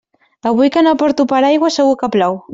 Avui que no porto paraigua segur que plou.